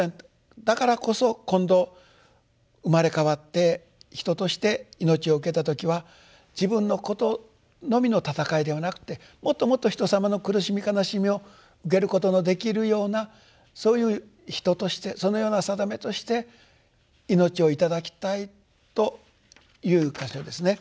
だからこそ今度生まれ変わって人として命を受けた時は自分のことのみの闘いではなくてもっともっと人様の苦しみ悲しみを受けることのできるようなそういう人としてそのような定めとして命を頂きたいという箇所ですね。